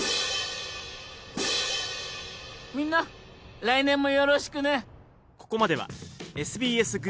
みんな来年もよろしくね。